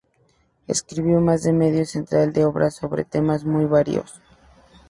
Escribió más de medio centenar de obras sobre temas muy varios.